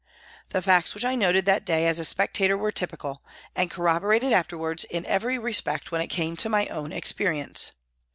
The facts which I noted that day as a spectator were typical, and corroborated afterwards in every respect when it came to my own experience.